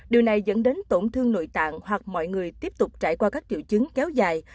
điều này dẫn đến tổn thương nội tạng hoặc mọi người tiếp tục trải qua các triệu chứng kéo dài